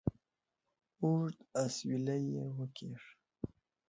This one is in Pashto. اوږد اسویلی یې وکېښ.